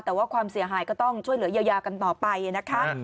แต่ว่าความเสียหายก็ต้องช่วยเหลือเยียวยากันต่อไปนะคะ